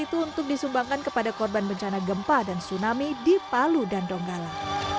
itu untuk disumbangkan kepada korban bencana gempa dan tsunami di palu dan donggala